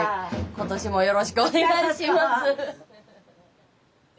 今年もよろしくお願いします。